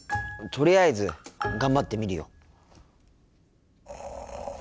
とりあえず頑張ってみるよ。